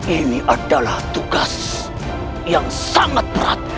ini adalah tugas yang sangat berat